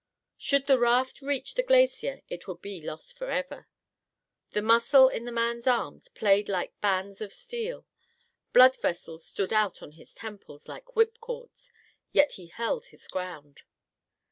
Should the raft reach the glacier it would be lost forever. The muscles in the man's arms played like bands of steel. Blood vessels stood out on his temples like whipcords, yet he held his ground.